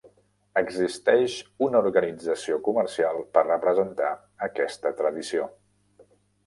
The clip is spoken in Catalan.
Existeix una organització comercial per representar aquesta tradició.